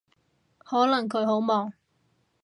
可能佢好忙